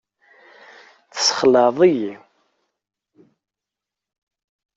Tessexlaɛeḍ-iyi.